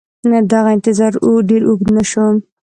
دغه انتظار ډېر اوږد نه شو.